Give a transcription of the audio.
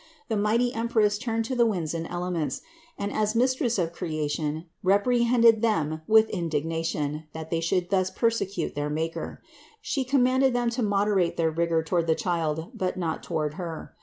The mighty Empress turned to the winds and elements and as Mis tress of creation reprehended them with indignation, that they should thus persecute their Maker. She commanded them to moderate their rigor toward the Child but not toward Her.